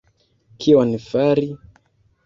Kion Fari?